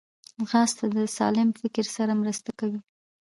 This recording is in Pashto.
ځغاسته د سالم فکر سره مرسته کوي